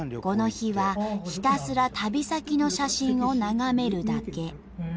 この日はひたすら旅先の写真を眺めるだけ。